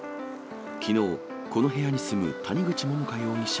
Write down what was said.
きのう、この部屋に住む谷口桃花容疑者